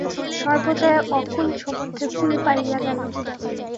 সর্বজয়া অকুল সমুদ্রে কুল পাইয়া গেল।